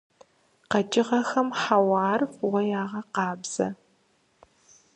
КъэкӀыгъэхэм хьэуар фӀыуэ ягъэкъабзэ.